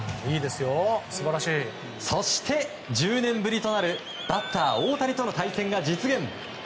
そして、１０年ぶりとなるバッター、大谷との対戦が実現。